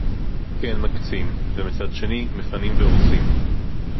כן מקצים, ומצד שני, מפנים והורסים